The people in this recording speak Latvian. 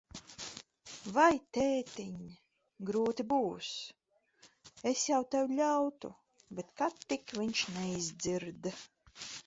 Vai, tētiņ, grūti būs. Es jau tev ļautu, bet ka tik viņš neizdzird.